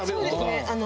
そうですね。